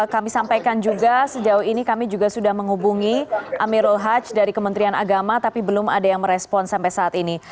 kami sampaikan juga sejauh ini kami juga sudah menghubungi amirul hajj dari kementerian agama tapi belum ada yang merespon sampai saat ini